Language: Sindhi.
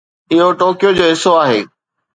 اهو ٽوڪيو جو حصو آهي